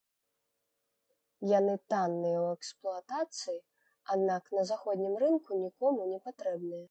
Яны танныя ў эксплуатацыі, аднак на заходнім рынку нікому не патрэбныя.